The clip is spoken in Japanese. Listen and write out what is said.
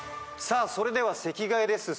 それでは席替えです。